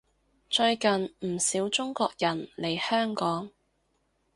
最近唔少中國人嚟香港